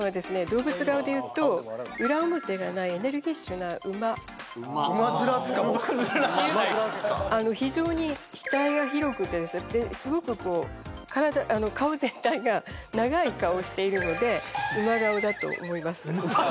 動物顔でいうと裏表がないエネルギッシュなうま非常に額が広くてすごく顔全体が長い顔をしているので「うま顔だと思います」